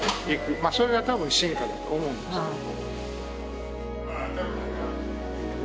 まあそれが多分進化だと思うんですけども。